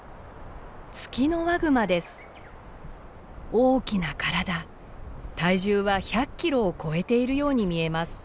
大きな体体重は１００キロを超えているように見えます。